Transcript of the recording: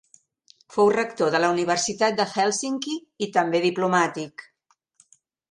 Fou rector de la Universitat de Hèlsinki i també diplomàtic.